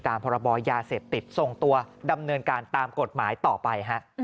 พรบยาเสพติดส่งตัวดำเนินการตามกฎหมายต่อไปฮะ